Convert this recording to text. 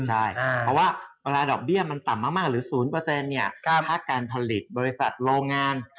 เพราะว่าเวลาดอกเบี้ยมันต่ำมากหรือ๐ภาคการผลิตบริษัทโรงงาน